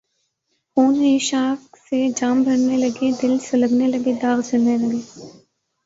خون عشاق سے جام بھرنے لگے دل سلگنے لگے داغ جلنے لگے